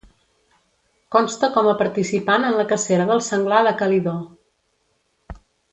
Consta com a participant en la cacera del senglar de Calidó.